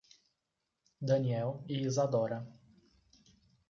Daniel e Isadora